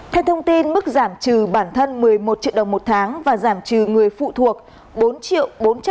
theo thông tin mức giảm trừ bản thân một mươi một triệu đồng một tháng và giảm trừ người phụ thuộc bốn triệu bốn trăm linh nghìn đồng một tháng